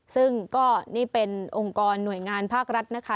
ซึ่งก็นี่เป็นองค์กรหน่วยงานภาครัฐนะคะ